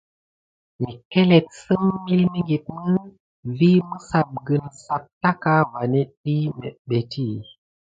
Məckéléte sim milmiŋɠuit mə vi məssapgəne sap taka vanéne ɗyi méɓɓétti.